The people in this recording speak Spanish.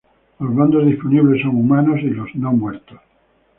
Los bandos disponibles son humanos y los no-muertos.